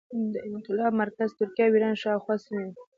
د انقلاب مرکز ترکیه او ایران شاوخوا سیمې وې.